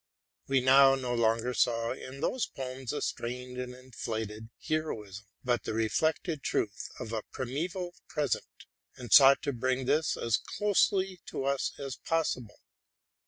We now no longer saw in those poems a strained and inflated heroism, but the reflected truth of a primeval present, and sought to bring this as closely to us as possible.